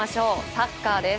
サッカーです。